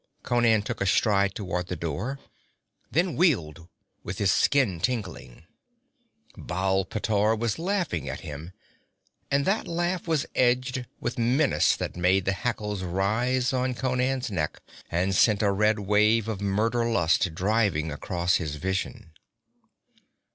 Conan took a stride toward the door, then wheeled with his skin tingling. Baal pteor was laughing at him, and that laugh was edged with menace that made the hackles rise on Conan's neck and sent a red wave of murder lust driving across his vision.